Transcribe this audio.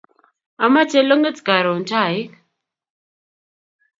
Amache longit karon chaik